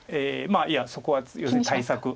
いやそこは対策。